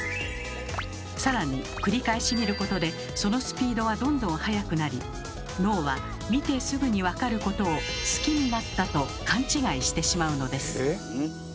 更に繰り返し見ることでそのスピードはどんどん速くなり脳は見てすぐにわかることを好きになったと勘違いしてしまうのです。